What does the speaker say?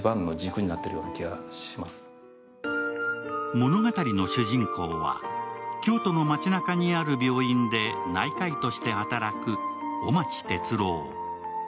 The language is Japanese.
物語の主人公は京都の街なかにある病院で内科医として働く雄町哲郎。